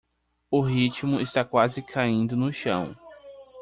O ritmo está quase caindo no chão